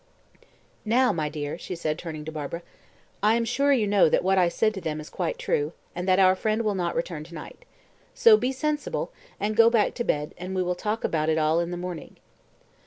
"Now, my dear," she said, turning to Barbara, "I am sure you know that what I said to them is quite true, and that our friend will not return to night. So be sensible, and go back to bed, and we will talk about it all in the morning."